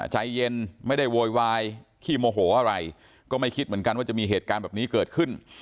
ใจเย็นไม่ได้โวยวายขี้โมโหอะไรก็ไม่คิดเหมือนกันว่าจะมีเหตุการณ์แบบนี้เกิดขึ้น